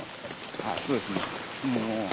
はいそうですね。